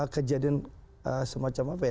kejadian semacam apa ya